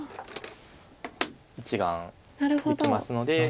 １眼できますので。